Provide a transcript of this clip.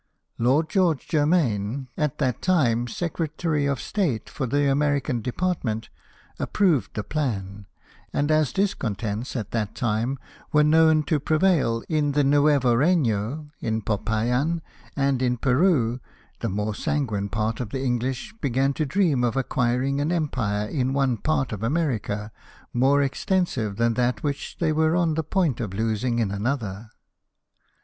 Lord George Germaine, at that time Secretary of State for the American department, approved the plan; and as discontents at that time were known to prevail in the Nuevo Reyno, in Popayan, and in Peru, the more sanguine part of the English began to dream of ac quiring an empire in one part of America more extensive than that which they were on the point of losing in another.